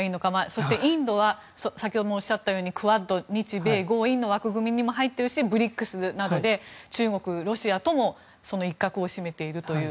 そしてインドは先ほどもおっしゃったようにクアッド、日米豪印の枠組みにも入っているしＢＲＩＣＳなどで中国、ロシアともその一角も占めているという。